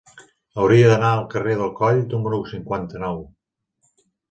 Hauria d'anar al carrer de Coll número cinquanta-nou.